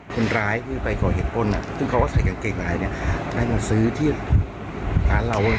คนร้ายนี่ไปก่อเผ็ดบ้นถึงเค้าเขาใส่กางเกงร้ายนี่แต่มาซื้อที่การรัง